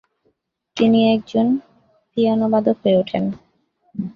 তিনি একজন পিয়ানোবাদক হয়ে ওঠেন।